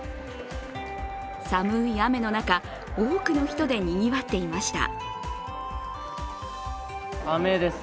寒い雨の中、多くの人でにぎわっていました。